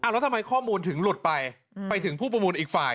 แล้วทำไมข้อมูลถึงหลุดไปไปถึงผู้ประมูลอีกฝ่าย